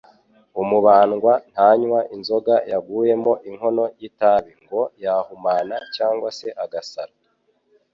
Umubandwa ntanywa inzoga yaguyemo inkono y’itabi, ngo yahumana cyangwa se agasara